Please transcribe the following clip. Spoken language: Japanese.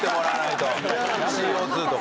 ＣＯとか。